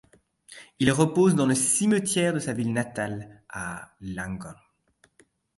Il repose dans le cimetière de sa ville natale, à Langholm.